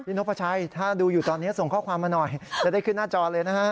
นกพระชัยถ้าดูอยู่ตอนนี้ส่งข้อความมาหน่อยจะได้ขึ้นหน้าจอเลยนะฮะ